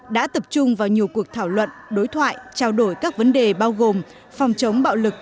đã tập trung vào nhiều cuộc thảo luận đối thoại trao đổi các vấn đề bao gồm phòng chống bạo lực